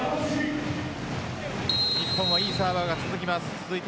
日本はいいサーバーが続きます。